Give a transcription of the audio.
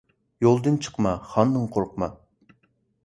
يولدىن چىقما، خاندىن قورقما.